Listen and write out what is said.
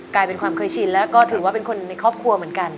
กลายเป็นความเคยชินแล้วก็ถือว่าเป็นคนในครอบครัวเหมือนกัน